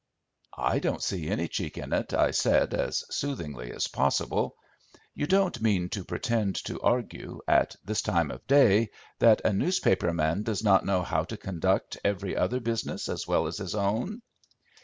"I don't see any cheek in it," I said, as soothingly as possible. "You don't mean to pretend to argue, at this time of day that a newspaper man does not know how to conduct every other business as well as his own."